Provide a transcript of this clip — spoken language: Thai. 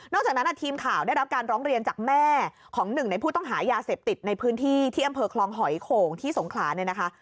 จากนั้นทีมข่าวได้รับการร้องเรียนจากแม่ของหนึ่งในผู้ต้องหายาเสพติดในพื้นที่ที่อำเภอคลองหอยโขงที่สงขลาเนี่ยนะคะ